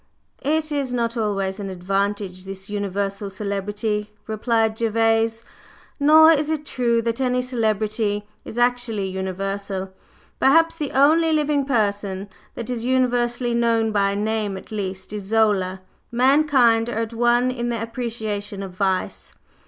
"It is not always an advantage this universal celebrity," replied Gervase. "Nor is it true that any celebrity is actually universal. Perhaps the only living person that is universally known, by name at least, is Zola. Mankind are at one in their appreciation of vice."